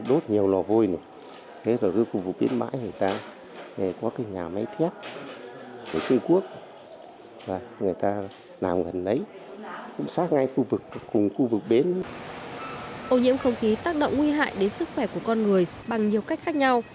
ô nhiễm không khí tác động nguy hại đến sức khỏe của con người bằng nhiều cách khác nhau